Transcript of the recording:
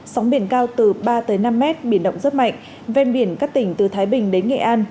sóng biển cao từ ba tới năm mét biển động rất mạnh ven biển các tỉnh từ thái bình đến nghệ an